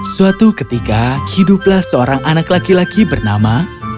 suatu ketika hiduplah seorang anak laki laki bernama